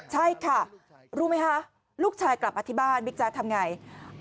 ใช่ค่ะรู้ไหมคะลูกชายกลับมาที่บ้านบิ๊กแจ๊คทำไง